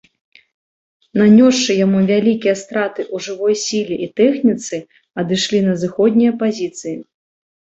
Нанёсшы яму вялікія страты ў жывой сіле і тэхніцы, адышлі на зыходныя пазіцыі.